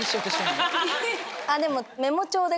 でも。